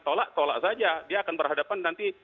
tolak tolak saja dia akan berhadapan nanti